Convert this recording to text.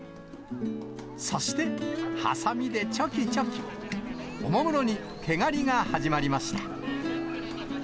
そしてはさみでちょきちょき、おもむろに毛刈りが始まりました。